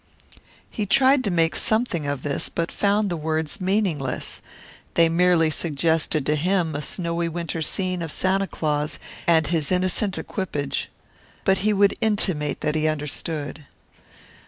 He tried to make something of this, but found the words meaningless. They merely suggested to him a snowy winter scene of Santa Claus and his innocent equipage. But he would intimate that he understood.